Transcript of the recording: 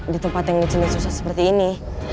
di tempat yang dicili susah seperti ini